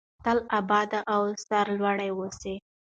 تل اباد او سرلوړي اوسئ.